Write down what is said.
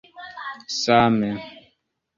Same.